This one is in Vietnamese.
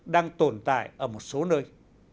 đang tồn tại ở một số nơi